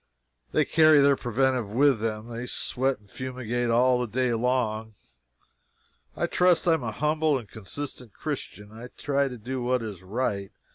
They carry their preventive with them; they sweat and fumigate all the day long. I trust I am a humble and a consistent Christian. I try to do what is right.